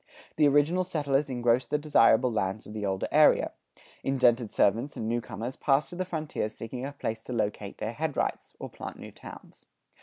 The original settlers engross the desirable lands of the older area. Indented servants and new comers pass to the frontier seeking a place to locate their headrights, or plant new towns.